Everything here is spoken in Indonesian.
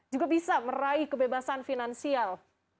juga bisa meraih kebebasan finansial